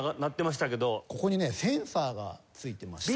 ここにねセンサーがついてまして。